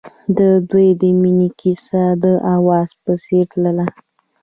د دوی د مینې کیسه د اواز په څېر تلله.